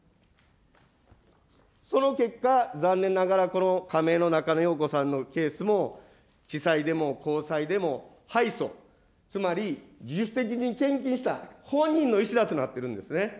その結果、残念ながらこの仮名の中野容子さんのケースも、地裁でも高裁でも敗訴、つまり自主的に献金した、本人の意思だとなっているんですね。